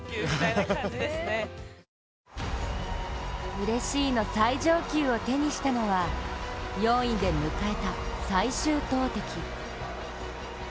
うれしいの最上級を手にしたのは４位で迎えた最終投てき。